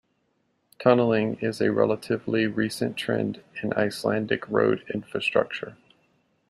Tunneling is a relatively recent trend in Icelandic road infrastructure.